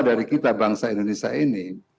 dari kita bangsa indonesia ini